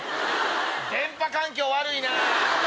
電波環境悪いなぁ。